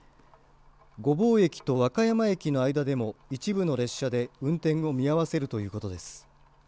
御坊駅と和歌山駅の間でも一部の列車で運転を見合わせるということです。